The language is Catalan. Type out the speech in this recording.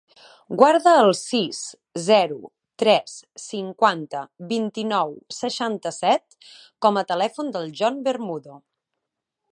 Guarda el sis, zero, tres, cinquanta, vint-i-nou, seixanta-set com a telèfon del John Bermudo.